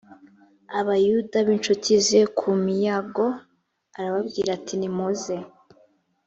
abayuda b incuti ze ku minyago arababwira ati nimuze